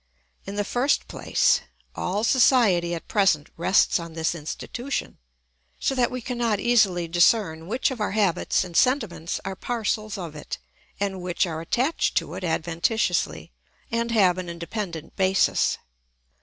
In the first place, all society at present rests on this institution, so that we cannot easily discern which of our habits and sentiments are parcels of it, and which are attached to it adventitiously and have an independent basis.